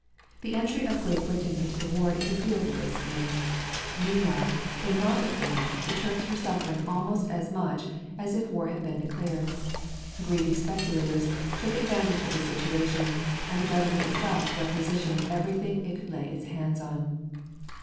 The entry of Great Britain into the war interfered with this scheme. Meantime, though not at war, the Turks were suffering almost as much as if war had been declared. Greedy speculators took advantage of the situation, and the government itself requisitioned everything it could lay its hands on.